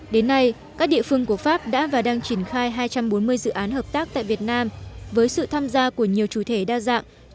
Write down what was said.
đến nay các địa phương của pháp đã và đang triển khai hai trăm bốn mươi dự án hợp tác tại việt nam với sự tham gia của nhiều chủ thể đa dạng